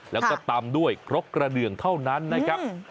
แล้วก็ตำด้วยครกกระเดืองเท่านั้นนะครับ